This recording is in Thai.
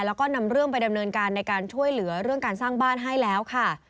แล้วก็นำเรื่องไปดำเนินการในการช่วยเหลือเรื่องการสร้างบ้านให้แล้วค่ะ